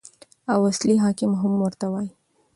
او اصلي احکام هم ورته وايي.